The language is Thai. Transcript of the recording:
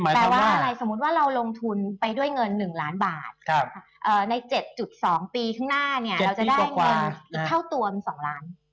แปลว่าอะไรสมมุติว่าเราลงทุนไปด้วยเงิน๑ล้านบาทใน๗๒ปีข้างหน้าเนี่ยเราจะได้เงินอีกเท่าตัวเป็น๒ล้าน